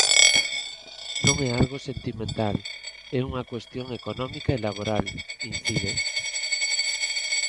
"Non é algo sentimental, é unha cuestión económica e laboral", incide.